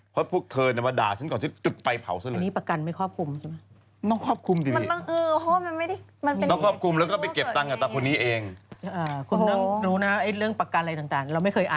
เพราะพวกเธอน่ะมาด่าฉันก่อนที่จุดไฟเผาซะเลย